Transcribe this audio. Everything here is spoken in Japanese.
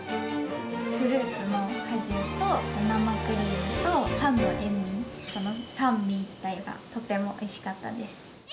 フルーツの果汁と、生クリームとパンの塩味、その三位一体がとてもおいしかったです。